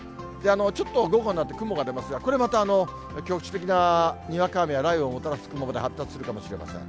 ちょっと午後になって雲が出ますが、これまた、局地的なにわか雨や雷雨をもたらす雲まで発達するかもしれません。